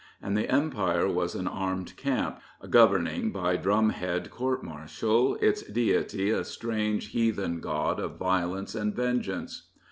And the Empire was an armed camp, governing by drum head court martial, its deity a strange heathen god of violence and vengeance.